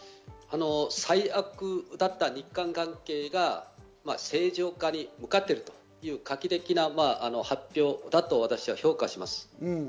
最悪だった日韓関係が、正常化に向かっているという画期的な発表だと、私は評価します。